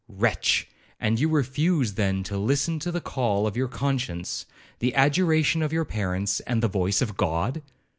'Wretch! and you refuse, then, to listen to the call of your conscience, the adjuration of your parents, and the voice of God?'